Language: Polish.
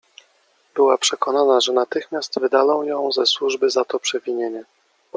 Była przekonana, że natychmiast wydalą ją ze służby za to przewinienie!